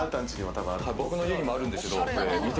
僕の家にもあるんですけれども。